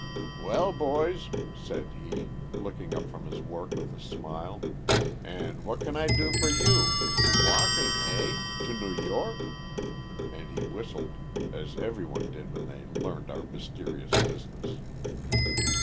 "Well, boys," said he, looking up from his work with a smile, "and what can I do for you? Walking, eh? to New York!" and he whistled, as every one did when they learned our mysterious business.